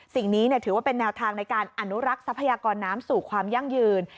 สิ่งนี้ถือว่าเป็นแนวทางในการอนุรักษ์ทรัพยากรน้ำสู่ความยั่งยืน